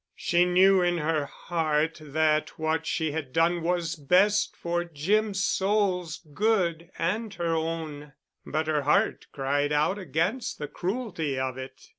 She knew in her heart that what she had done was best for Jim's soul's good and her own, but her heart cried out against the cruelty of it.